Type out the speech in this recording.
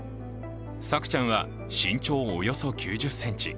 朔ちゃんは身長およそ９０ｃｍ